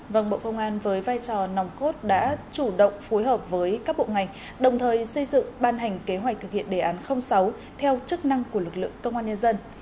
vâng bộ công an với vai trò nòng cốt đã chủ động phối hợp với các bộ ngành đồng thời xây dựng ban hành kế hoạch thực hiện đề án sáu theo chức năng của lực lượng công an nhân dân